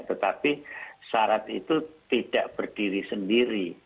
tetapi syarat itu tidak berdiri sendiri